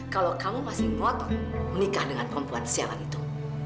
kalau kamu masih ngotot menikah dengan perempuan siaran itu